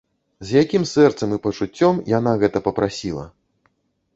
З якім сэрцам і пачуццём яна гэта папрасіла!